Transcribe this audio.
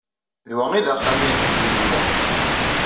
D wa ay d axxam aydeg d-luleɣ.